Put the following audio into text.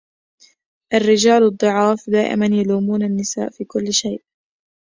الرجال الضعاف دائماً يلومون النساء في كل شيء.